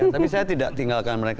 tapi saya tidak tinggalkan mereka